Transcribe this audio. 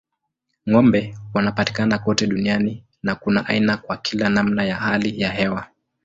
Ng'ombe wanapatikana kote duniani na kuna aina kwa kila namna ya hali ya hewa.